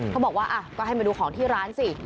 เขาบอกว่าก็ให้มาดูของที่ร้านสิ